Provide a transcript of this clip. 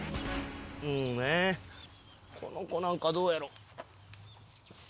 もうねこの子なんかどうやろ？